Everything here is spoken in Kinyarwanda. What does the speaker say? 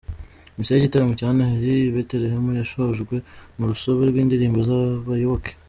Misa y’igitaramo cya Noheli i Betelehemu yashojwe mu rusobe rw’indirimbo z’abayoboke.